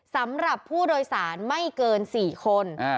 สำหรับผู้โดยสารไม่เกิน๔คน